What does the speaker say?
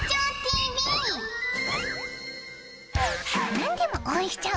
何でも応援しちゃう